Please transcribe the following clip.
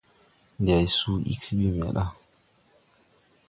Ndi hay suu ig se ɓi meʼ ɗa.